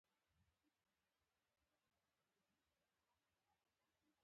دا کور ښکلی دی.